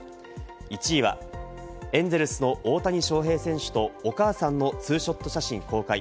１位はエンゼルスの大谷翔平選手とお母さんのツーショット写真公開。